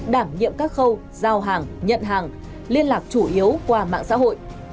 đảm nhiệm các khâu giao hàng nhận hàng liên lạc chủ yếu qua mạng xã hội